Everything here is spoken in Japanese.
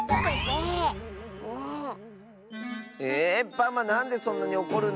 パマなんでそんなにおこるの。